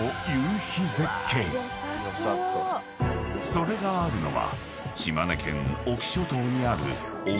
［それがあるのは島根県隠岐諸島にある］